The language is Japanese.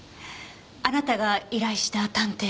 あなたが依頼した探偵が。